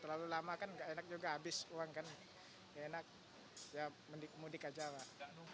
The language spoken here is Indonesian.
terlalu lama kan nggak enak juga habis uang kan nggak enak mudik aja lah